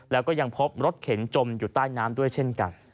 แล้วก็ยังพบรถเข็นจมอยู่ใต้น้ำด้วยเช่นกัน